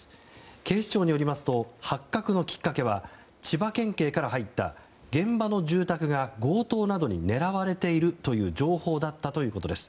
警視庁によりますと発覚のきっかけは千葉県警から入った現場の住宅が強盗などに狙われているという情報だったということです。